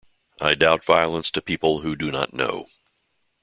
I doubt violence to people who do not know.